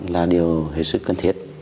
là điều hết sức cần thiết